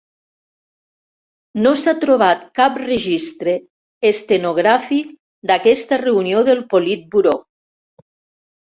No s'ha trobat cap registre estenogràfic d'aquesta reunió del Politburó.